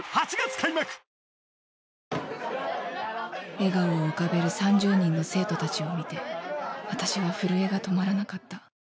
笑顔を浮かべる３０人の生徒たちを見て私は震えが止まらなかった。